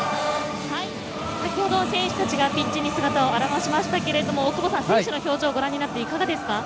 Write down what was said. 先ほど、選手たちがピッチに姿を現しましたが選手の表情ご覧になっていかがですか？